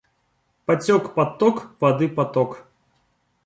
Потек под ток воды поток.